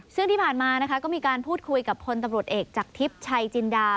ซึ่งที่ผ่านมานะคะก็มีการพูดคุยกับพลตำรวจเอกจากทิพย์ชัยจินดา